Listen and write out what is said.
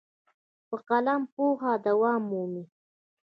په قلم پوهه دوام مومي.